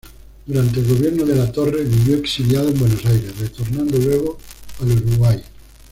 Durante el gobierno de Latorre vivió exiliado en Buenos Aires, retornando luego al Uruguay.